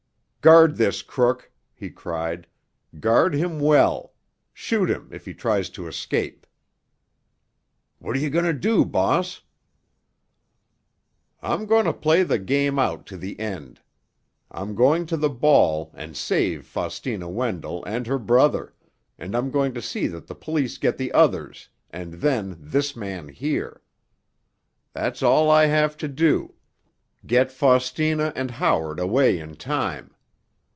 "Guard this crook!" he cried. "Guard him well. Shoot him if he tries to escape!" "What are you going to do, boss?" "I'm going to play the game out to the end. I'm going to the ball and save Faustina Wendell and her brother—and I'm going to see that the police get the others, and then this man here. That's all I have to do—get Faustina and Howard away in time.